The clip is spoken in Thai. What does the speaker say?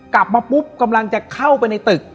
กลับมาปุ๊บกำลังจะเข้าไปในตึก